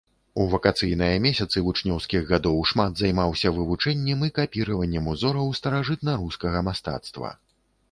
У вакацыйныя месяцы вучнёўскіх гадоў шмат займаўся вывучэннем і капіраваннем узораў старажытнарускага мастацтва.